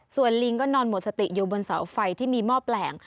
ส่วนลิงก็นอนหมดสติอยู่บนเสาไฟที่มีหม้อแปลง